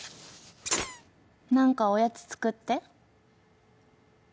何かおやつ作って。